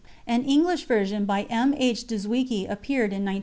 _ An English version by M. H. Dziewicki appeared in 1901.